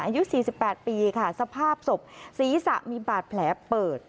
อายุสี่สิบแปดปีค่ะสภาพศพศรีศะมีบาดแผลเปิด